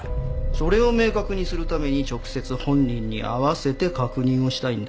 それを明確にするために直接本人に会わせて確認をしたいんだ。